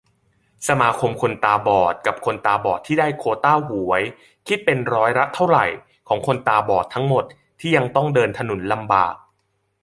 สมาคมคนตาบอดกับคนตาบอดที่ได้โควตาหวย คิดเป็นร้อยละเท่าไหร่ ของคนตาบอดทั้งหมด ที่ยังต้องเดินถนนลำบาก